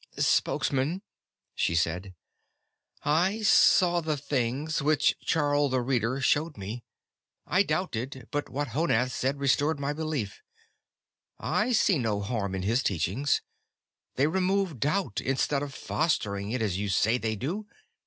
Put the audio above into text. "Spokesman," she said, "I saw the things which Charl the Reader showed me. I doubted, but what Honath said restored my belief. I see no harm in his teachings. They remove doubt, instead of fostering it as you say they do.